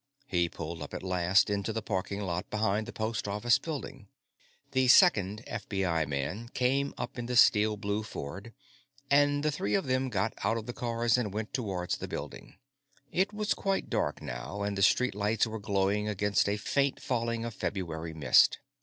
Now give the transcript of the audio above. He pulled up at last into the parking lot behind the Post Office Building. The second FBI man came up in the steel blue Ford, and the three of them got out of the cars and went towards the building. It was quite dark by now, and the street lights were glowing against a faint falling of February mist.